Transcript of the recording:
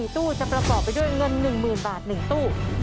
ตู้จะประกอบไปด้วยเงิน๑๐๐๐บาท๑ตู้